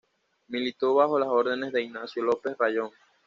Militó bajo las órdenes de Ignacio López Rayón.